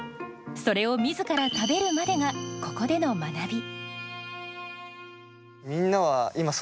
それを自ら食べるまでがここでの学び。